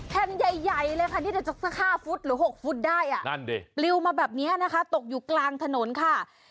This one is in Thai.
แผ่นใหญ่เลยค่ะนี่เดี๋ยวจะสัก๕ฟุตหรือ๖ฟุตได้ปลิวมาแบบนี้นะคะตกอยู่กลางถนนค่ะ